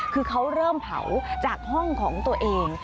คือเขาเริ่มเผาจากห้องของตัวเอง